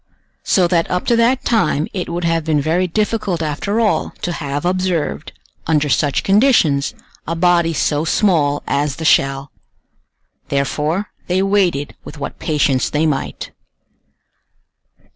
So that up to that time it would have been very difficult after all to have observed, under such conditions, a body so small as the shell. Therefore they waited with what patience they might.